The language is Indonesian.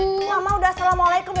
mama udah assalamualaikum